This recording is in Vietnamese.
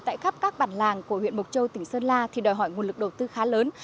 tại khắp các bản làng của huyện mộc châu tỉnh sơn la thì đòi hỏi nguồn lực đầu tư khá lớn